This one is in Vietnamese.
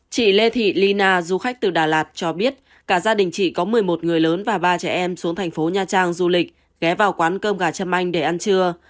chị lê thị ly na du khách từ đà lạt cho biết cả gia đình chị có một mươi một người lớn và ba trẻ em xuống thành phố nha trang du lịch ghé vào quán cơm gà châm anh để ăn trưa